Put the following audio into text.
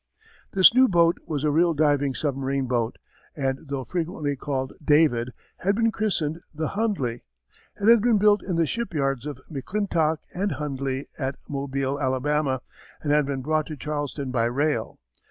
This new boat was a real diving submarine boat and though frequently called David had been christened the Hundley. It had been built in the shipyards of McClintock & Hundley at Mobile, Alabama, and had been brought to Charleston by rail.